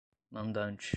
mandante